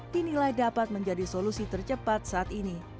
dinilai dapat menjadi solusi tercepat saat ini